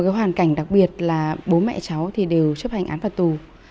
có hoàn cảnh đặc biệt là bố mẹ cháu thì đều chấp hành án phạt tù